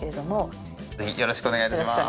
ぜひよろしくお願いいたします。